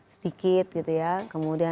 sedikit gitu ya